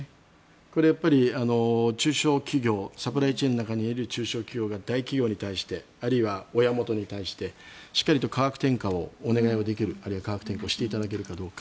これはサプライチェーンの中にいる中小企業が大企業に対してあるいは親元に対してしっかりと価格転嫁をお願いできるあるいは価格転嫁をしていただけるかどうか。